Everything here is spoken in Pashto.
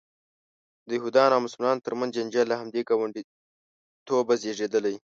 د یهودانو او مسلمانانو ترمنځ جنجال له همدې ګاونډیتوبه زیږېدلی.